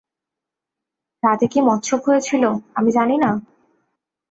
রাতে কী মচ্ছব হয়েছিল আমি জানি না?